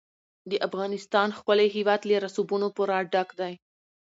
د افغانستان ښکلی هېواد له رسوبونو پوره ډک دی.